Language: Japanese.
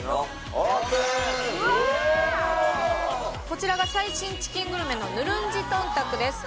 こちらが最新チキングルメのヌルンジトンタクです